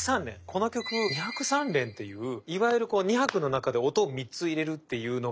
この曲２拍３連っていういわゆる２拍の中で音を３つ入れるっていうのが結構多用されるの。